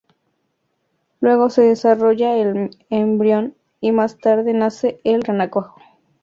Luego, se desarrolla el embrión, y más tarde nace el renacuajo.